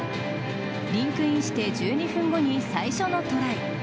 リンクインして１２分後に最初のトライ。